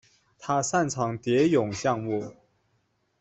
他擅长蝶泳项目。